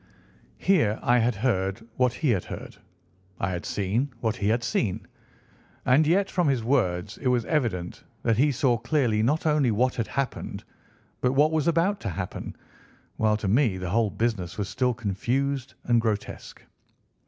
Here I had heard what he had heard, I had seen what he had seen, and yet from his words it was evident that he saw clearly not only what had happened but what was about to happen, while to me the whole business was still confused and grotesque.